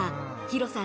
広さ